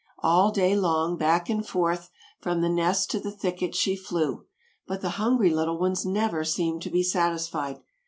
All day long, back and forth, from the nest to the thicket she flew, but the hungry little ones never seemed to be satisfied.